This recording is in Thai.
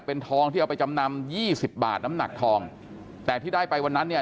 เป็นทองที่เอาไปจำนำยี่สิบบาทน้ำหนักทองแต่ที่ได้ไปวันนั้นเนี่ย